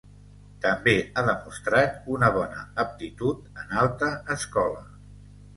També ha demostrat una bona aptitud en Alta Escola.